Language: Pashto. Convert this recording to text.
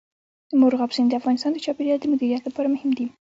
مورغاب سیند د افغانستان د چاپیریال د مدیریت لپاره مهم دي.